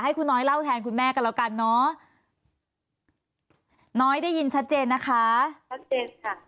คุณน้อยเล่าแทนคุณแม่กันแล้วกันเนอะน้อยได้ยินชัดเจนนะคะชัดเจนค่ะ